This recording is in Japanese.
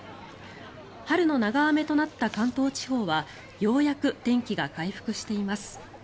春の長雨となった関東地方はようやく天気が回復しています。